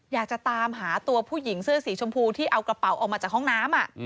อยากจะตามหาตัวผู้หญิงเสื้อสีชมพูที่เอากระเป๋าออกมาจากห้องน้ำ